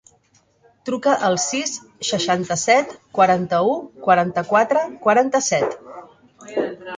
Truca al sis, seixanta-set, quaranta-u, quaranta-quatre, quaranta-set.